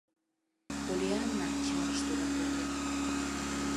— Поллианна, — чарыш тудым пӧръеҥ.